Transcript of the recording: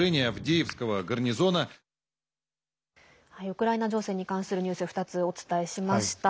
ウクライナ情勢に関するニュース、２つお伝えしました。